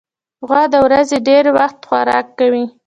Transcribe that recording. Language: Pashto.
غوا د ورځې ډېری وخت خوراک کوي.